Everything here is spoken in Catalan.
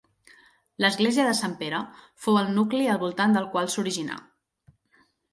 L'església de Sant Pere fou el nucli al voltant del qual s'originà.